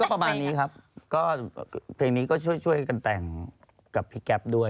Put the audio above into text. ประมาณนี้ครับก็เพลงนี้ก็ช่วยช่วยกันแต่งกับพี่แก๊ปด้วย